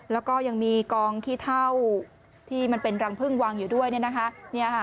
แล้วก็ยังมีกองขี้เท่าที่มันเป็นรังพึ่งวางอยู่ด้วยเนี่ยนะคะ